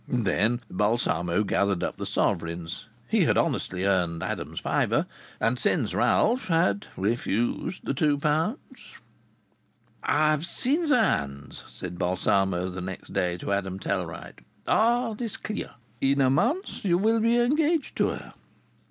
Then Balsamo gathered up the sovereigns. He had honestly earned Adam's fiver, and since Ralph had refused the two pounds "I have seen their hands," said Balsamo the next day to Adam Tellwright. "All is clear. In a month you will be engaged to her."